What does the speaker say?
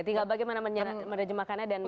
tinggal bagaimana menerjemahkannya dan